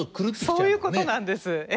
そういうことなんですええ。